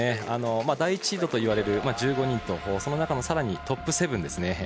第１シードといわれる１５人とその中のさらにトップ７ですね。